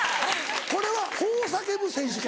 これは「ほ」を叫ぶ選手権？